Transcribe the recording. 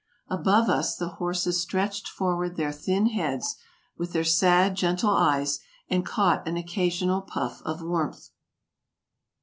Above us the horses stretched forward their thin heads, with their sad, gentle eyes, and caught an occasional puff of warmth.